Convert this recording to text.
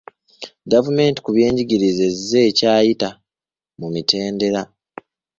GavumentI ku byenjigiriza ezze ekyayita mu mitendera.